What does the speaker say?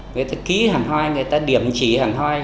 người ta ký hàng hoa người ta điểm chỉ hàng hoa